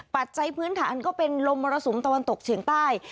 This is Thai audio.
ปัจจัยพื้นฐานก็เป็นลมมรสุมตะวันตกเฉียงใต้